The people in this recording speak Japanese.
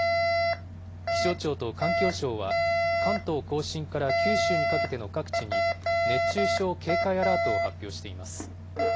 気象庁と環境省は、関東甲信から九州にかけての各地に、熱中症警戒アラートを発表しています。